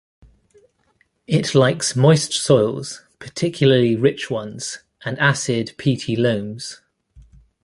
It likes moist soils, particularly rich ones, and acid peaty loams.